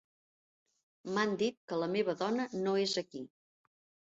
M'han dit que la meva dona no és aquí.